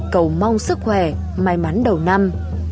cầu mong sức khỏe may mắn đầu năm